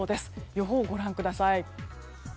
予報をご覧ください。